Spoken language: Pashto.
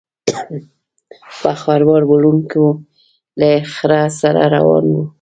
یو خروار وړونکی له خره سره روان و.